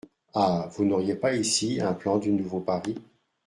Ah ! vous n’auriez pas ici un plan du nouveau Paris ?